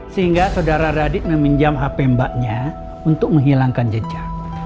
sehingga saudara radit meminjam hp mbaknya untuk menghilangkan jejak